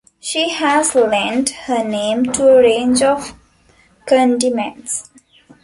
She has lent her name to a range of condiments.